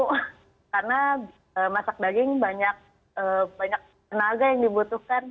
karena masak daging banyak tenaga yang dibutuhkan